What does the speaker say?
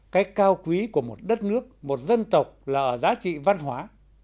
cái cao quý của một đất nước một dân tộc là ở giá trị văn hóa